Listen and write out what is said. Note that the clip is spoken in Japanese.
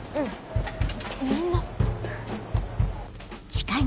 みんな。